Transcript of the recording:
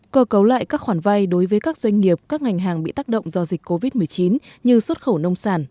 cơ cấu lại các khoản vay đối với các doanh nghiệp các ngành hàng bị tác động do dịch covid một mươi chín như xuất khẩu nông sản